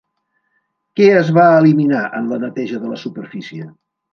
Què es va eliminar en la neteja de la superfície?